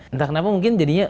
entah kenapa mungkin jadinya